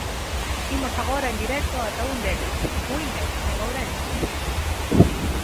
Imos agora en directo ata un deles: Muíños, en Ourense.